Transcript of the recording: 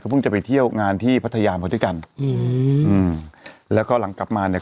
เพิ่งจะไปเที่ยวงานที่พัทยามาด้วยกันอืมอืมแล้วก็หลังกลับมาเนี่ย